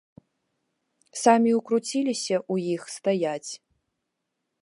Самі ўкруціліся ў іх стаяць.